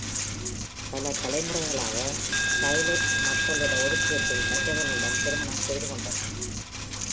பல தலைமுறைகளாக சைலெட்ஸ் மக்கள் இட ஒதுக்கீட்டில் மற்றவர்களுடன் திருமணம் செய்து கொண்டனர்.